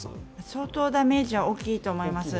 相当ダメージは大きいと思います。